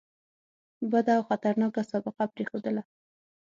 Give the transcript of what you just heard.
بده او خطرناکه سابقه پرېښودله.